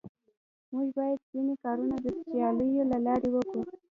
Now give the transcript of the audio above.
موږ بايد ځيني کارونه د سياليو له لاري وکو.